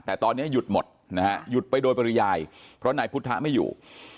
แต่ตอนนี้หยุดหมดนะฮะหยุดไปโดยปริยายเพราะนายพุทธไม่อยู่